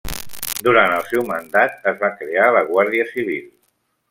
Durant el seu mandat es va crear la guàrdia civil.